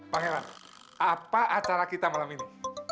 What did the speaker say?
pangeran apa acara kita malam ini